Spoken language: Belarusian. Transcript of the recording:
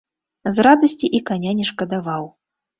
З радасці і каня не шкадаваў.